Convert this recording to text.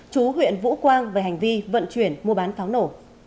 chú huyện vũ quang về hành vi vận chuyển mua bán pháo nổ